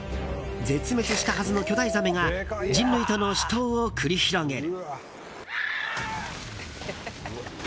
絶滅したはずの巨大ザメが人類との死闘を繰り広げる。